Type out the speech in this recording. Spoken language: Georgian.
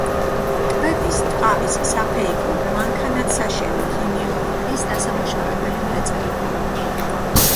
კვების, ტყავის, საფეიქრო, მანქანათსაშენი, ქიმიური, ხის დასამუშავებელი მრეწველობა.